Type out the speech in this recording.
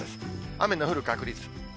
雨の降る確率。